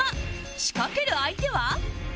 仕掛ける相手は？